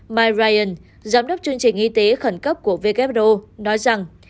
mike ryan giám đốc chương trình y tế khẩn cấp của who nói rằng